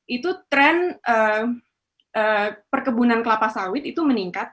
itu tren perkebunan kelapa sawit itu meningkat